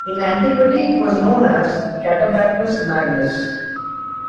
In antiquity it was known as "Catabathmus Magnus".